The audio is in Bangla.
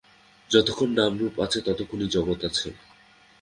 যতক্ষণ নামরূপ আছে, ততক্ষণই জগৎ আছে।